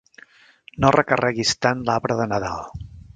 No recarreguis tant l'arbre de Nadal.